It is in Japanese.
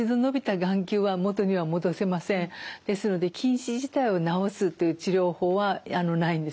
ええ残念ながらですので近視自体を治すっていう治療法はないんです。